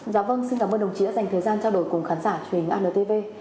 dạ vâng xin cảm ơn đồng chí đã dành thời gian trao đổi cùng khán giả truyền hình antv